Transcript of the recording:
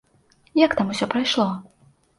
Як там усё прайшло?